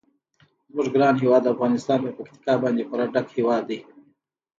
زموږ ګران هیواد افغانستان په پکتیکا باندې پوره ډک هیواد دی.